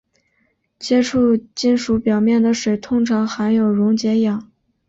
接触金属表面的水通常含有溶解氧。